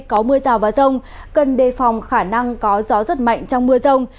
có mưa rào và rông cần đề phòng khả năng có gió rất mạnh trong mưa rông